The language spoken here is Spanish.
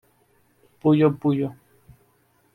Puyo Puyo!